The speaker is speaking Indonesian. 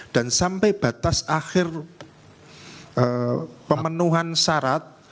dan sampai batas akhir pemenuhan syarat